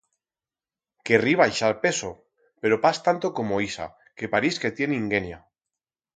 Querrí baixar peso, pero pas tanto como ixa, que parix que tiene inguenia.